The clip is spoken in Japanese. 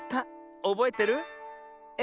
おぼえてる？え？